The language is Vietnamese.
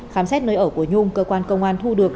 khám xét nơi ở của nhung cơ quan công an thu được